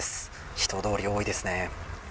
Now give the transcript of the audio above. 人通り多いですね。